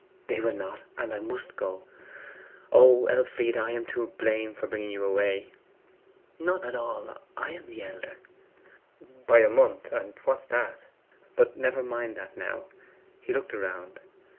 'They will not; and I must go.' 'O Elfride! I am to blame for bringing you away.' 'Not at all. I am the elder.' 'By a month; and what's that? But never mind that now.' He looked around.